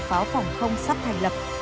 pháo phòng không sắp thành lập